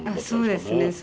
そうですね。